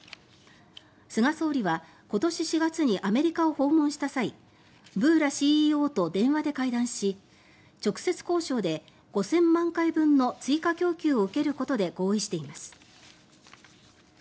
菅総理は今年４月にアメリカを訪問した際ブーラＣＥＯと電話で会談し直接交渉で５０００万回分の追加供給を受けることで合意しています。